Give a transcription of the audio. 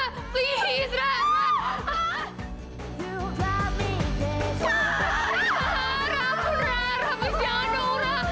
rah rah rah 'menyanu rah